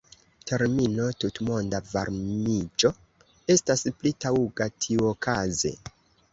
Termino tutmonda varmiĝo estas pli taŭga tiuokaze.